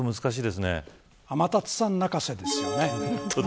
天達さん泣かせですよね。